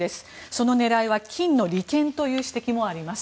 その狙いは金の利権という指摘もあります。